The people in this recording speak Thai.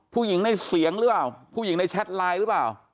ผู้หญิงในเสียงหรือเปล่าผู้หญิงในแชทไลน์หรือเปล่า